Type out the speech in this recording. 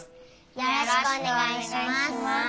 よろしくお願いします。